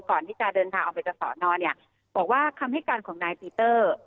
ก่อนที่จะเดินทางออกไปจากสอนอเนี่ยบอกว่าคำให้การของนายปีเตอร์